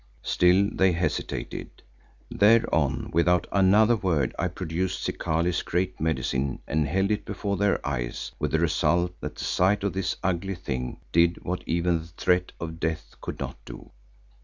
Still they hesitated. Thereon without another word, I produced Zikali's Great Medicine and held it before their eyes, with the result that the sight of this ugly thing did what even the threat of death could not do.